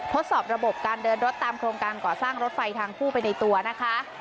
ทดสอบระบบการเดินรถตามโครงการก่อสร้างรถไฟทางคู่ไปในตัวนะคะ